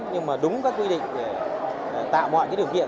nhưng mà đúng các quy định để tạo mọi điều kiện